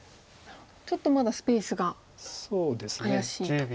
ちょっとまだスペースが怪しいと。